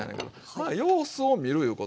まあ様子を見るいうことですわ。